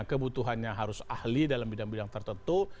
kebutuhannya harus ahli dalam bidang bidang tertentu